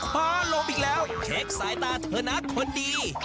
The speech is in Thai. ฟ้าลมอีกแล้วเช็คสายตาเธอนะคนดี